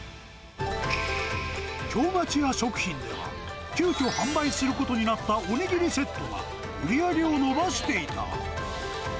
京町屋食品では急きょ、販売することになったおにぎりセットが売安い！